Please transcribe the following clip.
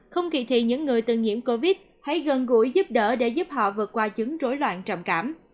không kỳ thị những người từng nhiễm covid hãy gần gũi giúp đỡ để giúp họ vượt qua chứng rối loạn trầm cảm